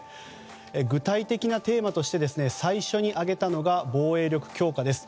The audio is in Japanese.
具体的なテーマとして最初に挙げたのが防衛力強化です。